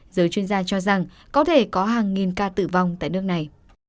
giới chuyên gia cho rằng có thể có hàng nghìn ca tử vong tại nước này